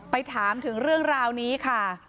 ถามถึงเรื่องราวนี้ค่ะ